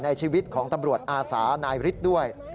ชีวิตของตำรวจอาสานายฤทธิ์ด้วย